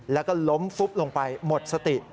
แล้วก็ล้มฟุบลงไปหมดสติ